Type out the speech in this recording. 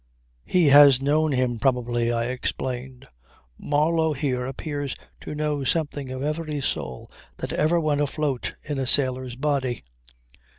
"He has known him probably," I explained. "Marlow here appears to know something of every soul that ever went afloat in a sailor's body."